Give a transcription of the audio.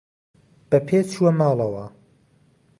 بە پێ چووە ماڵەوە.